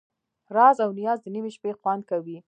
راز او نیاز د نیمې شپې خوند کوي.